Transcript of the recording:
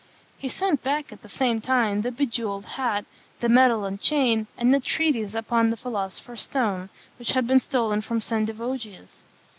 He sent back, at the same time, the bejewelled hat, the medal and chain, and the treatise upon the philosopher's stone, which had been stolen from Sendivogius.